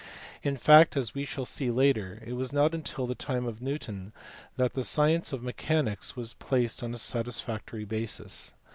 In fact, as we shall see later, it was not until the time of Newton that the science of mechanics was placed on a satisfactory basis.